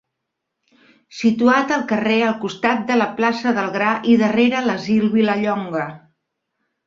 Situat al carrer al costat de la plaça del Gra i darrere l'Asil Vilallonga.